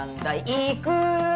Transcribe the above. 行く。